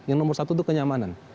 yang nomor satu itu kenyamanan